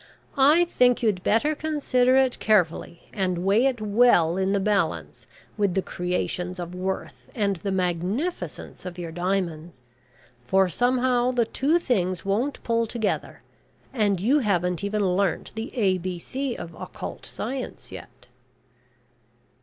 I think you had better consider it carefully, and weigh it well in the balance with the `creations' of Worth, and the magnificence of your diamonds, for somehow the two things won't pull together, and you haven't even learnt the A B C of occult science yet."